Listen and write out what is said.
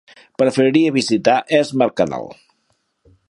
Preferiria visitar Es Mercadal.